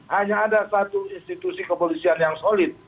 hanya ada satu institusi kepolisian yang solid